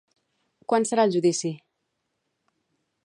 Quan serà el judici?